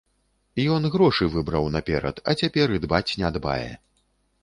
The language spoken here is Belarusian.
Ён грошы выбраў наперад, а цяпер і дбаць не дбае.